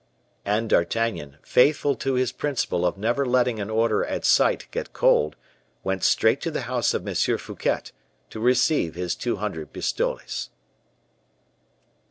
And D'Artagnan, faithful to his principle of never letting an order at sight get cold, went straight to the house of M. Fouquet, to receive his two hundred pistoles.